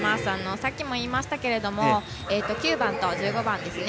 さっきも言いましたけど９番と１５番ですね